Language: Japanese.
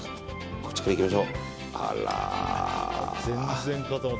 こっちからいきましょう。